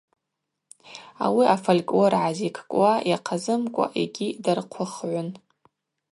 Ауи афольклор гӏазикӏкӏуа йахъазымкӏва йгьи дархъвыхгӏвын.